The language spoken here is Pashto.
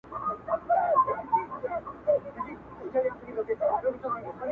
زموږ د سندرو د ښادیو وطن!